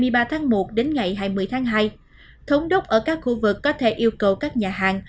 từ ngày hai mươi ba tháng một đến ngày hai mươi tháng hai thống đốc ở các khu vực có thể yêu cầu các nhà hàng